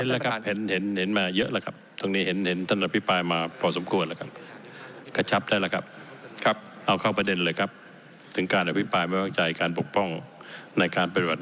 แล้วก็รอมค